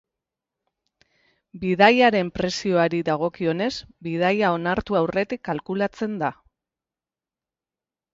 Bidaiaren prezioari dagokionez, bidaia onartu aurretik kalkulatzen da.